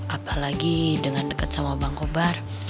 apalagi dengan dekat sama bang kobar